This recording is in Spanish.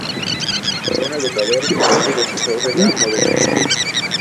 Fue un educador, poeta y defensor de la modernización.